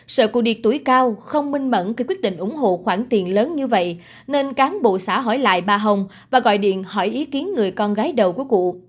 sợ cụ điệt tuổi cao không minh mẫn khi quyết định ủng hộ khoản tiền lớn như vậy nên cán bộ xã hỏi lại bà hồng và gọi điện hỏi ý kiến người con gái đầu của cụ